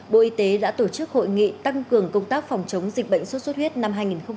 bộ y tế đã tổ chức hội nghị tăng cường công tác phòng chống dịch bệnh xuất xuất huyết năm hai nghìn một mươi chín